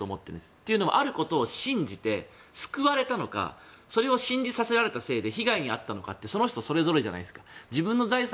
というのはあることを信じて救われたのかそれを信じさせられたせいで被害に遭ったのかそれぞれじゃないじゃないですか。